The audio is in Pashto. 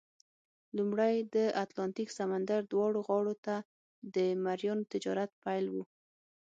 لومړی د اتلانتیک سمندر دواړو غاړو ته د مریانو تجارت پیل وو.